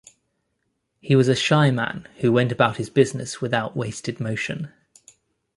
He was a shy man who went about his business without wasted motion.